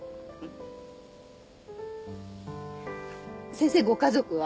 先生ご家族は？